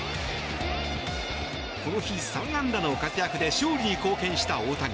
この日３安打の活躍で勝利に貢献した大谷。